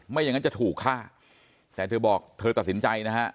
ไม่อย่างนั้นจะถูกฆ่าแต่เธอบอกเธอตัดสินใจนะฮะ